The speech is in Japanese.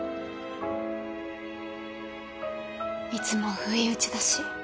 いつも不意打ちだし